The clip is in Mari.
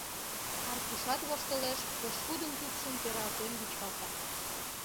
— Аркушат воштылеш, пошкудын тупшым пералтен вӱчкалта.